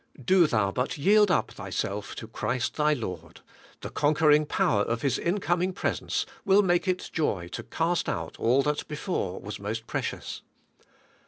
Do thou but yield up thyself to Christ thy Lord ; the conquer ing power of His incoming presence will make it joy to cast out all that before was most precious.